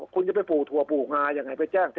คุณจะไปปลูกถั่วปลูกงายังไงไปแจ้งสิ